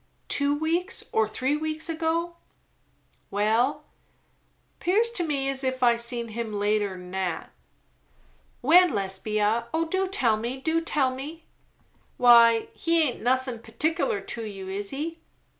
Two weeks or three weeks ago?" "Well, 'pears to me as if I'd seen him later 'n that." "When, Lesbia? Oh do tell me! do tell me!" "Why he aint nothin' particular to you, is he?"